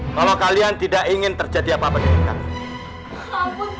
kalau kalian tidak ingin terjadi apa apa di tingkat ini